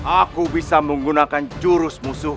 aku bisa menggunakan jurus musuh